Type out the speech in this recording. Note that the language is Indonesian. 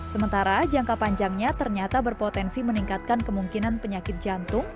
sementara jangka panjangnya ternyata berpotensi meningkatkan kemungkinan penyakit jantung